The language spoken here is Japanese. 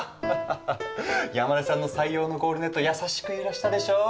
山根さんの採用のゴールネット優しく揺らしたでしょう？